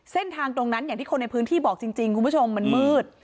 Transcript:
เส้นทางตรงนั้นอย่างที่คนในพื้นที่บอกจริงคุณผู้ชมมันมืด